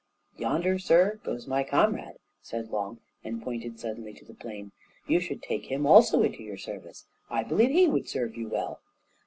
"Yonder, sir, goes my comrade!" said Long, and pointed suddenly to the plain; "you should take him also into your service; I believe he would serve you well."